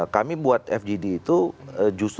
kami buat fgd itu justru